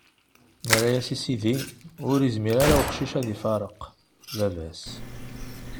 Nerra-as i sidi: Ur izmir ara uqcic ad ifareq baba-s.